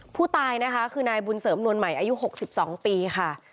ผู้ตายนะคะคือนายบุญเสริมนวลใหม่อายุ๖๒ปีค่ะ